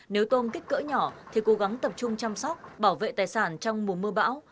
nếu tôm kích cỡ nhỏ thì cố gắng tập trung chăm sóc bảo vệ tài sản trong mùa mưa bão